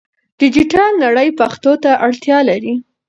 ډیجیټل نړۍ پښتو ته اړتیا لري.